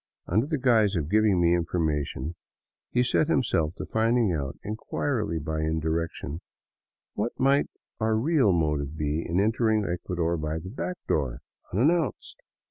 Under the guise of giving me information, he set himself to finding out, entirely by indirection, what might be our real motive in entering Ecuador by the back door, unannounced.